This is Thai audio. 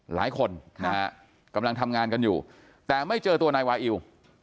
หลายคนนะฮะกำลังทำงานกันอยู่แต่ไม่เจอตัวนายวาอิว